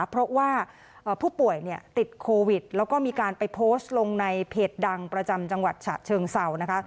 เพราะว่าผู้ป่วยติดโควิดแล้วก็มีการไปโพสต์ลงในเพจดังประจำจังหวัดฉะเชิงเศร้านะคะ